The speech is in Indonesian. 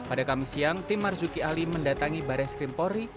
pada kamis siang tim marzuki ali mendatangi barai skrimpori